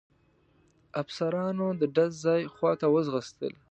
افسرانو د ډز ځای خواته وځغستل.